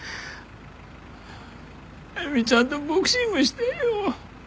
歩ちゃんとボクシングしてえよ。